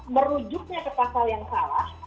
merujuknya ke pasal yang salah